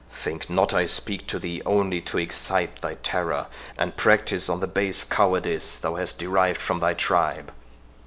Think not I speak to thee only to excite thy terror, and practise on the base cowardice thou hast derived from thy tribe.